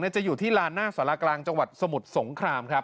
จะอยู่ที่ลานหน้าสารกลางจังหวัดสมุทรสงครามครับ